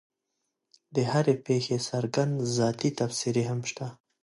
د هرې پېښې ترڅنګ ذاتي تبصرې هم شته.